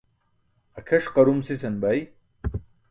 Akʰeṣ qarum sisan bay.